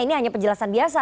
ini hanya penjelasan biasa